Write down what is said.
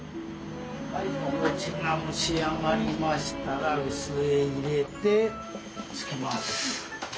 お餅が蒸し上がりましたら臼へ入れてつきます。